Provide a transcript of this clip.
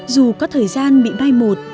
dù có thời gian bị mai một